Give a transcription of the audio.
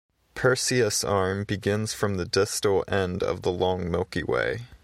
Perseus Arm begins from the distal end of the long Milky Way.